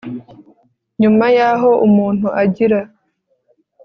nyuma yaho umuntu agira